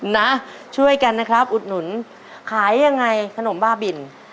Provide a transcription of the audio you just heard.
นะช่วยกันนะครับอุดหนุนขายยังไงขนมบ้าบิน